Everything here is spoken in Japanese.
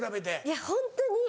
いやホントに。